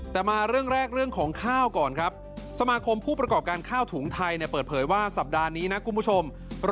แต่มาเรื่องแรกเรื่องของข้าวก่อนครับสมาคมผู้ประกอบการข้าวถุงไทยเนี่ยเปิดเผยว่าสัปดาห์นี้นะคุณผู้ชม